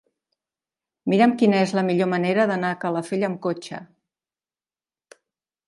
Mira'm quina és la millor manera d'anar a Calafell amb cotxe.